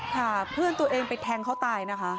ค่ะเพื่อนตัวเองไปแทงเขาตายนะคะ